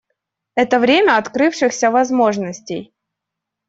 Это время открывшихся возможностей.